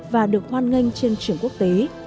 và được hoan nghênh trên trường quốc tế